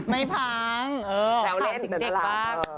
ไม่พังเออพักสิ่งเด็กมาก